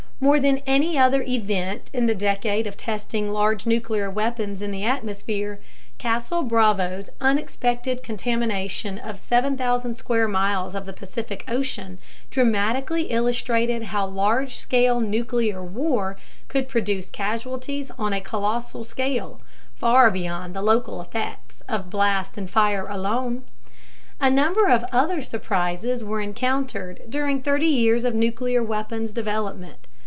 More than any other event in the decade of testing large nuclear weapons in the atmosphere, Castle/Bravo's unexpected contamination of 7,000 square miles of the Pacific Ocean dramatically illustrated how large scale nuclear war could produce casualties on a colossal scale, far beyond the local effects of blast and fire alone. A number of other surprises were encountered during 30 years of nuclear weapons development.